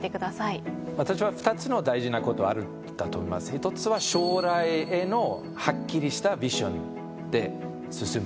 一つは将来へのはっきりしたビジョンで進む。